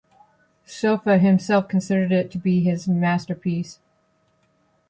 Sofa himself considered it to be his masterpiece.